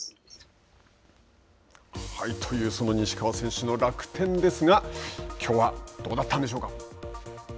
その西川選手の楽天ですがきょうはどうだったんでしょうか？